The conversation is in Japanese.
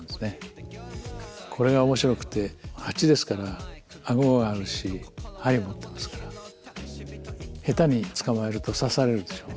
これが面白くて蜂ですから顎があるし針持ってますから下手に捕まえると刺されるでしょうあるいはかまれる。